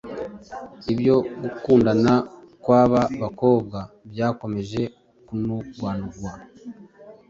ibyo gukundana kw'aba bakobwa byakomeje kunugwanugwa